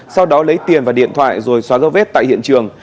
sau đó lấy tiền và điện thoại rồi xóa dấu vết tại hiện trường